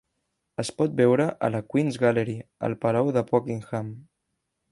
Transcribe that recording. Es pot veure a la Queen's Gallery al Palau de Buckingham.